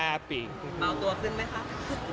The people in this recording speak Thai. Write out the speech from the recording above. เมาตัวขึ้นไหมคะ